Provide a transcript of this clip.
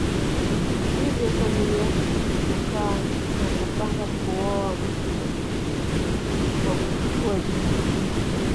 Hivyo familia hukaa na kupanga kuoa mke wa kufufua jina